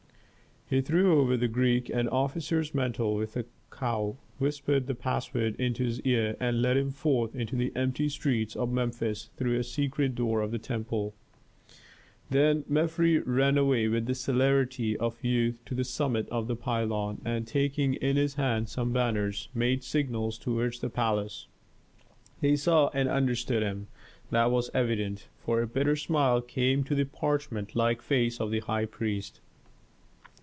He threw over the Greek an officer's mantle with a cowl, whispered the password into his ear and led him forth to the empty streets of Memphis through a secret door of the temple. Then Mefres ran with the celerity of youth to the summit of the pylon, and taking in his hand some banners, made signals toward the palace. They saw and understood him, that was evident, for a bitter smile came to the parchment like face of the high priest.